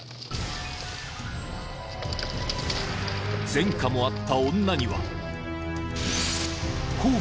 ［前科もあった女には］